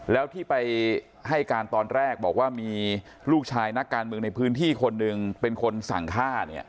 แล้วที่ไปให้การตอนแรกบอกว่ามีลูกชายนักการเมืองในพื้นที่คนหนึ่งเป็นคนสั่งฆ่าเนี่ย